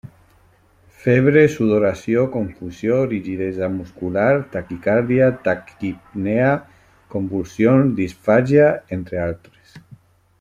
Febre, sudoració, confusió, rigidesa muscular, Taquicàrdia, Taquipnea, convulsions, Disfàgia, entre altres.